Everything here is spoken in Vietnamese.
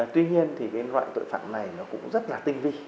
tuy nhiên thì cái loại tội phạm này nó cũng rất là tinh vi